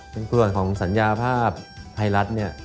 เป็นส่วนของสัญญาภาพไทยรัฐเนี่ย